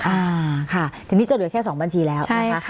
อ่าค่ะทีนี้จะเหลือแค่๒บัญชีแล้วนะคะ